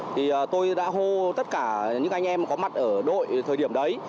thì tôi đã hô tất cả những anh em có mặt ở đội thời điểm đấy